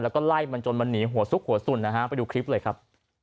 แล้วก็ไล่มันจนมันหนีหัวซุกหัวสุ่นนะฮะไปดูคลิปเลยครับ